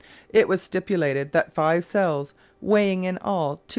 It was stipulated that five cells, weighing in all 244 lb.